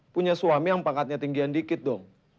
punya suami yang pangkatnya tinggian dikit dong